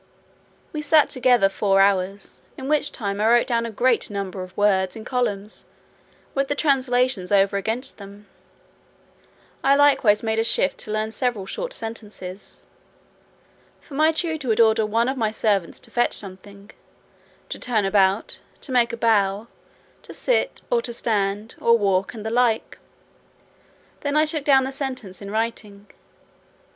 We sat together four hours, in which time I wrote down a great number of words in columns, with the translations over against them; I likewise made a shift to learn several short sentences; for my tutor would order one of my servants to fetch something, to turn about, to make a bow, to sit, or to stand, or walk, and the like. Then I took down the sentence in writing.